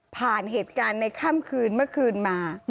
เหตุการณ์ในค่ำคืนเมื่อคืนมา